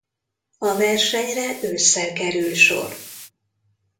A versenyre ősszel kerül sor.